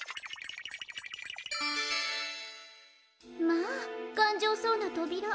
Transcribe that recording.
まあがんじょうそうなとびら。